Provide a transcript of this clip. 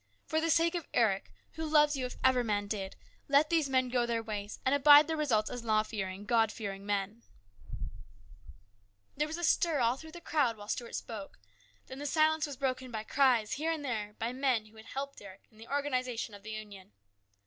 For the sake of Eric, who loves you if ever man did, let these men go their ways and abide the results as law fearing, God fearing men !" There was a stir all through the crowd while Stuart spoke. Then the silence was broken by cries here and there by men who had helped Eric in the organisation of the Union.